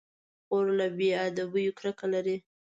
خور له بې ادبيو کرکه لري.